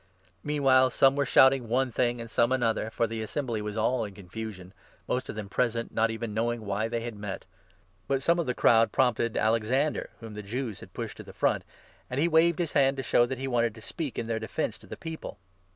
Meanwhile some were shouting one 32 thing and some another, for the Assembly was all in con fusion, most of those present not even knowing why they had met. But some of the crowd prompted Alexander, whom the 33 Jews had pushed to the front, and he waved his hand to show that he wanted to speak in their defence to the people.